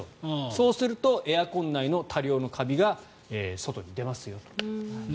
そうするとエアコン内の多量のカビが外に出ますよと。